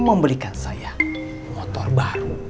membelikan saya motor baru